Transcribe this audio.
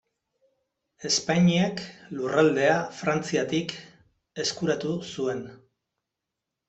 Espainiak lurraldea Frantziatik eskuratu zuen.